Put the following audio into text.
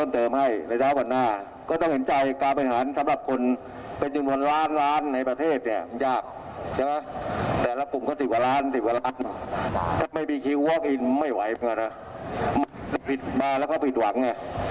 มันบอกว่าจะผิดมาแล้วเขาผิดหวังไง